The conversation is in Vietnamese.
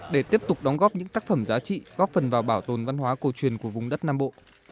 để tiếp tục đóng góp những tác phẩm giá trị góp phần vào bảo tồn văn hóa cổ truyền của vùng đất nam bộ